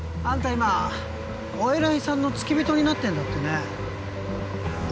今お偉いさんの付き人になってんだってね